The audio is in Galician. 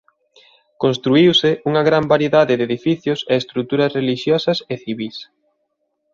Construíuse unha gran variedade de edificios e estruturas relixiosas e civís.